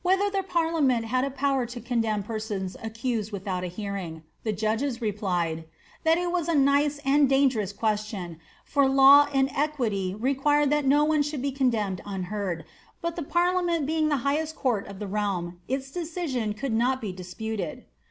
ther the parliament had a power to condemn persons accused withon hearing.'' The judges replied,' ^Tliat it was a nice and dangen question, for law and equity required that no one should be coodeou unheard ; but the parliament being the highest court of the realm, decision could not be disputed."